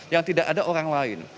yang tidak ada orang lain